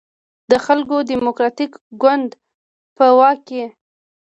د خلکو دیموکراتیک ګوند په واک کې.